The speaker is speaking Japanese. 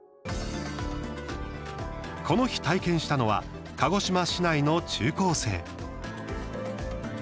この日、体験したのは鹿児島市内の中高生。